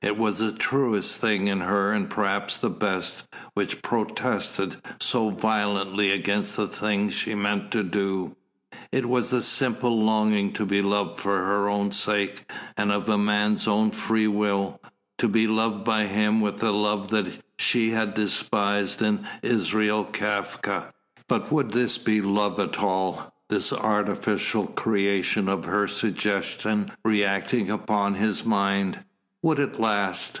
It was the truest thing in her and perhaps the best, which protested so violently against the thing she meant to do; it was the simple longing to be loved for her own sake, and of the man's own free will, to be loved by him with the love she had despised in Israel Kafka. But would this be love at all, this artificial creation of her suggestion reacting upon his mind? Would it last?